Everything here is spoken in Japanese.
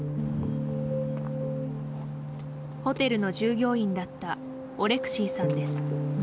ホテルの従業員だったオレクシーさんです。